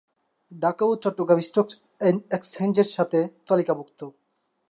ঢাকা ও চট্টগ্রাম স্টক এক্সচেঞ্জের সাথে তালিকাভুক্ত।